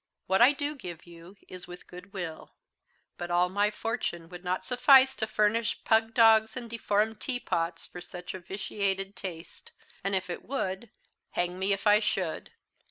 What I do give you is with goodwill; but all my fortune would not suffice to furnish pug dogs and deformed teapots for such a vitiated taste; and if it would, hang me if it should!